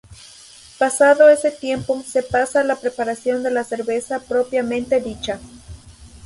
Pasado ese tiempo se pasa a la preparación de la cerveza propiamente dicha.